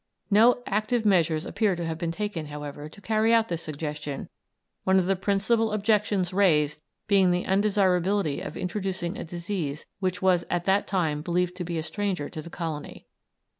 No active measures appear to have been taken, however, to carry out this suggestion, one of the principal objections raised being the undesirability of introducing a disease which was at that time believed to be a stranger to the colony.